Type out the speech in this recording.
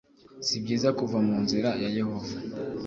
si byiza kuva mu nzira ya yehova